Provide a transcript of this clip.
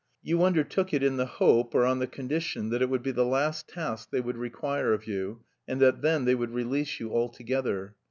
You undertook it in the hope, or on the condition, that it would be the last task they would require of you, and that then they would release you altogether.